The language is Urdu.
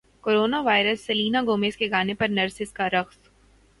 کورونا وائرس سلینا گومز کے گانے پر نرسز کا رقص